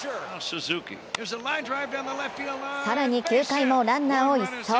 更に９回もランナーを一掃！